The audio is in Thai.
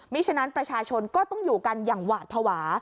ฉะนั้นประชาชนก็ต้องอยู่กันอย่างหวาดภาวะ